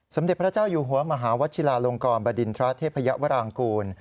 สมเด็จพระเจ้าอยู่หัวมหาวัชิลาลงกรบดินทระเทพยวรางกูล